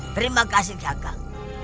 terima kasih kakak